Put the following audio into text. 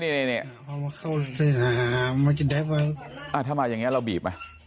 ถ้ามันเป็นอย่างนี้เราบีบกัน